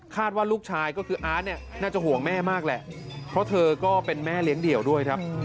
ว่าลูกชายก็คืออาร์ตเนี่ยน่าจะห่วงแม่มากแหละเพราะเธอก็เป็นแม่เลี้ยงเดี่ยวด้วยครับ